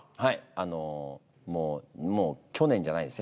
あのもうもう去年じゃないですね